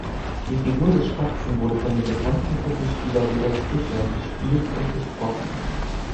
Die Figur des Spatzen wurde von dem bekannten Puppenspieler Rudolf Fischer gespielt und gesprochen.